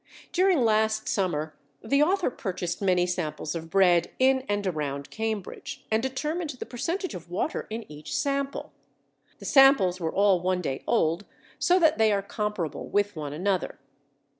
During last summer the author purchased many samples of bread in and around Cambridge, and determined the percentage of water in each sample. The samples were all one day old so that they are comparable with one another.